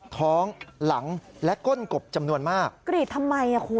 ท้องหลังและก้นกบจำนวนมาก